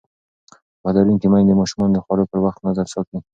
پوهه لرونکې میندې د ماشومانو د خوړو پر وخت نظم ساتي.